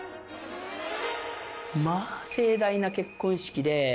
まあ盛大な結婚式で。